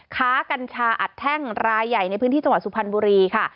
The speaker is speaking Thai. กัญชาอัดแท่งรายใหญ่ในพื้นที่จังหวัดสุพรรณบุรีค่ะ